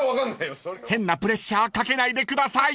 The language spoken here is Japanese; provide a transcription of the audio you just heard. ［変なプレッシャーかけないでください！］